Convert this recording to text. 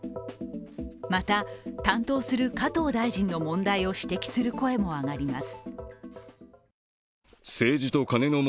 また、担当する加藤大臣の問題を指摘する声も上がります。